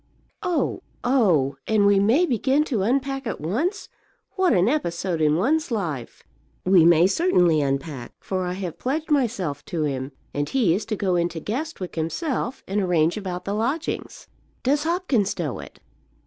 "Oh, oh! And we may begin to unpack at once? What an episode in one's life!" "We may certainly unpack, for I have pledged myself to him; and he is to go into Guestwick himself and arrange about the lodgings." "Does Hopkins know it?"